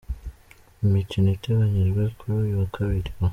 Imikino iteganyijwe kuri uyu wa Kabiri